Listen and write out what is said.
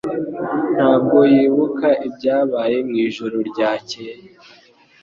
ntabwo yibuka ibyabaye mwijoro ryakeye